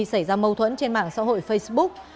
xảy ra mâu thuẫn trên mạng xã hội facebook